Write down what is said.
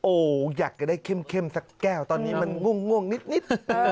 โอ้โหอยากจะได้เข้มสักแก้วตอนนี้มันง่วงนิด